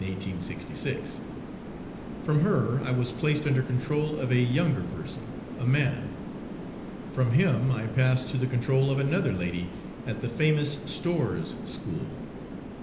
From her I was placed under control of a younger person, a man. From him I passed to the control of another lady at the famous "Storr's School."